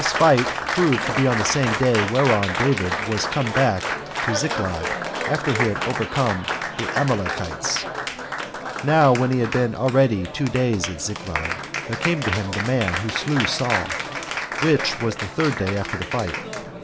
1. This fight proved to be on the same day whereon David was come back to Ziklag, after he had overcome the Amalekites. Now when he had been already two days at Ziklag, there came to him the man who slew Saul, which was the third day after the fight.